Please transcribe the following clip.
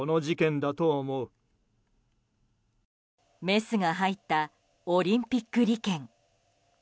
メスが入ったオリンピック利権。